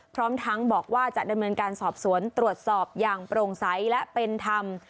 พร้อมทั้งบอกว่าจะดำเนินการสอบสวนตรวจสอบอย่างโปร่งใสและเป็นธรรม